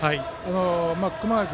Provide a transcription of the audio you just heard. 熊谷君